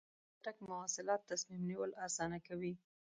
چټک مواصلات تصمیم نیول اسانه کوي.